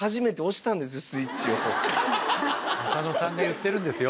浅野さんが言ってるんですよ。